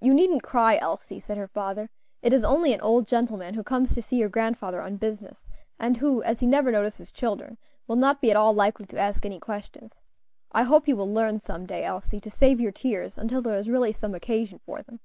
"You needn't cry, Elsie," said her father; "it is only an old gentleman who comes to see your grandfather on business, and who, as he never notices children, will not be at all likely to ask any questions. I hope you will learn some day, Elsie, to save your tears until there is really some occasion for them."